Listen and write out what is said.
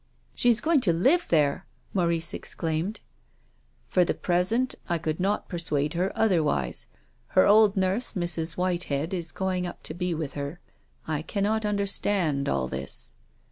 "She is going to live there! " Maurice ex claimed. " For the present, I could not persuade her otherwise. Her old nurse, Mrs. Whitehead, is going up to be with her. I cannot understand all this."